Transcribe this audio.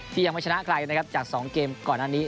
ที่ยังไม่ชนะใครนะครับจาก๒เกมก่อนอันนี้